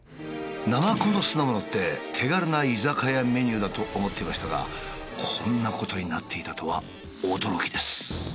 ナマコの酢の物って手軽な居酒屋メニューだと思っていましたがこんなことになっていたとは驚きです。